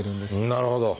なるほど。